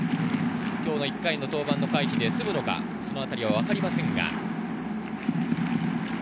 今日の１回の登板の回避で済むのか、そのあたり分かりませんが。